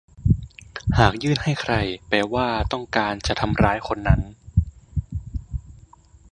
หากยื่นให้ใครแปลว่าต้องการจะทำร้ายคนนั้น